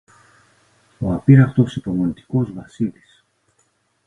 Ο απείραχτος υπομονητικός Βασίλης!